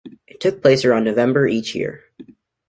It took place around November each year.